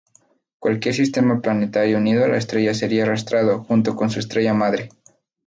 Cualquier sistema planetario unido a la estrella sería 'arrastrado' junto con su estrella madre.